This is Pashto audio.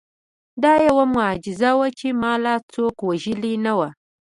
دا یوه معجزه وه چې ما لا څوک وژلي نه وو